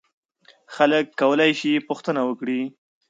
خلک کولای شي پوښتنه وکړي.